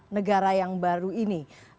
negara yang baru ini